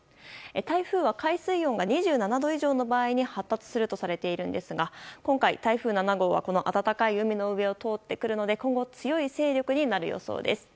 台風は海水温が２７度以上の場合発達するとされているんですが今回、台風７号はこの温かい海の上を通るので今後、強い勢力になる予想です。